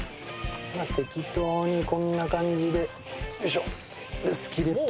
まあ適当にこんな感じでよいしょ。